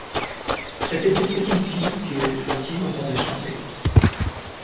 C’était cette petite fille que Fantine entendait chanter.